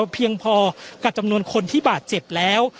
เพียงพอกับจำนวนคนที่บาดเจ็บแล้ว